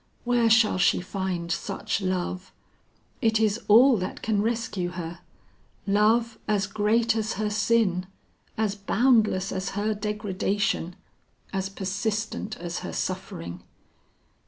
Where shall she find such love? It is all that can rescue her; love as great as her sin, as boundless as her degradation, as persistent as her suffering.